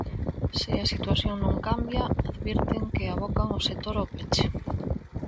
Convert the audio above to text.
Se a situación non cambia advirten que abocan ao sector ao peche...